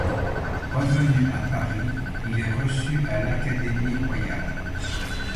Revenu à Paris, il est reçu à l’Académie royale.